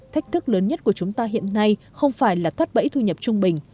thách thức lớn nhất của chúng ta hiện nay không phải là thoát bẫy thu nhập trung bình